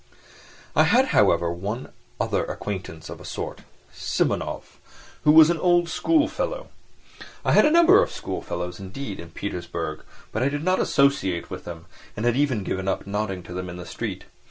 I had however one other acquaintance of a sort, Simonov, who was an old schoolfellow. I had a number of schoolfellows, indeed, in Petersburg, but I did not associate with them and had even given up nodding to them in the street.